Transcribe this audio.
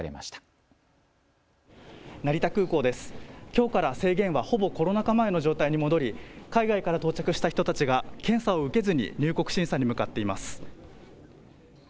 きょうから制限はほぼコロナ禍前の状態に戻り海外から到着した人たちが検査を受けずに入国審査に向かっています。